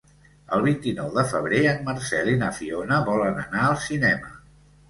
El vint-i-nou de febrer en Marcel i na Fiona volen anar al cinema.